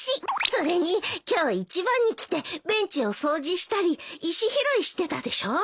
それに今日一番に来てベンチを掃除したり石拾いしてたでしょう？